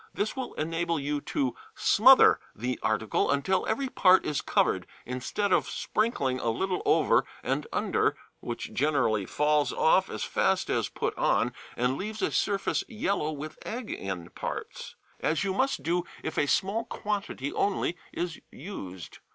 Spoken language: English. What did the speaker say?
This will enable you to smother the article until every part is covered, instead of sprinkling a little over and under (which generally falls off as fast as put on, and leaves a surface yellow with egg in parts), as you must do if a small quantity only is used.